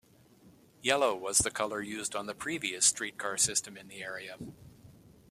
Yellow was the color used on the previous streetcar system in the area.